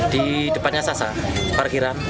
di depannya sasa parkiran